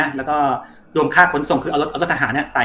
อันดับคู่รวมค่าขนส่งคือเอารถทางศัพท์ใส่